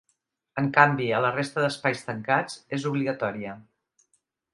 En canvi, a la resta d’espais tancats és obligatòria.